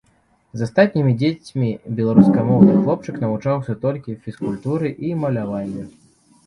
З астатнімі дзецьмі беларускамоўны хлопчык навучаўся толькі фізкультуры і маляванню.